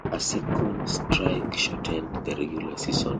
A second strike shortened the regular season.